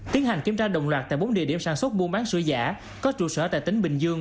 tiến hành kiểm tra đồng loạt tại bốn địa điểm sản xuất buôn bán sữa giả có trụ sở tại tỉnh bình dương